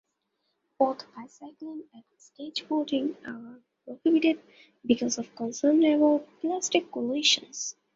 Both bicycling and skateboarding are prohibited because of concerns about elastic collisions.